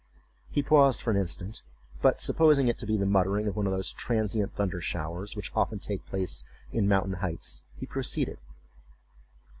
He paused for an instant, but supposing it to be the muttering of one of those transient thunder showers which often take place in mountain heights, he proceeded.